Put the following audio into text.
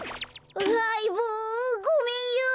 あいぼうごめんよ。